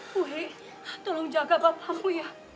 bu hei tolong jaga bapamu